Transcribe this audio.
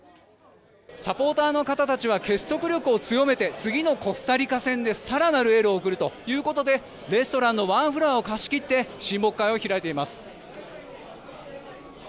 サポーターの方たちは結束力を強めて次のコスタリカ戦で更なるエールを送るということでレストランのワンフロアを貸し切って親睦会を開いています。